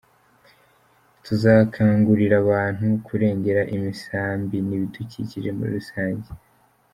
Tuzakangurira abantu kurengera imisambi n’ibidukikije muri rusange.